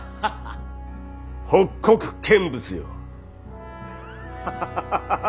北国見物よ。